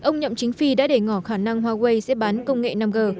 nhậm chính phi đã để ngỏ khả năng huawei sẽ bán công nghệ năm g